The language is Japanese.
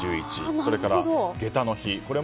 それから、下駄の日。